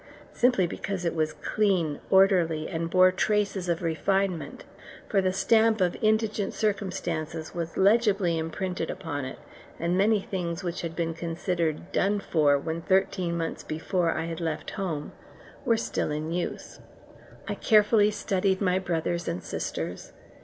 simply because it was clean, orderly, and bore traces of refinement; for the stamp of indigent circumstances was legibly imprinted upon it, and many things which had been considered "done for" when thirteen months before I had left home, were still in use. I carefully studied my brothers and sisters.